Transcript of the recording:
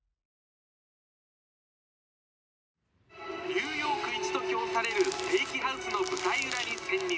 「ニューヨーク一と評されるステーキハウスの舞台裏に潜入」。